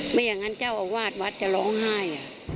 ไม่อย่างนั้นเจ้าอาวาสวัดจะร้องไห้